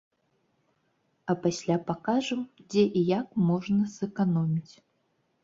А пасля пакажам, дзе і як можна зэканоміць.